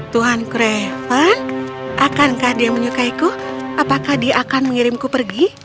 tuhan craven akankah dia menyukaiku apakah dia akan mengirimku pergi